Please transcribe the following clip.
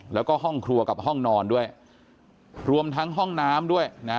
แล้วก็ห้องครัวกับห้องนอนด้วยรวมทั้งห้องน้ำด้วยนะ